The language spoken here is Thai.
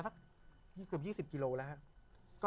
สักเกือบ๒๐กิโลแล้วครับ